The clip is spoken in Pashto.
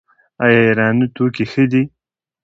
آیا ایراني توکي ښه دي؟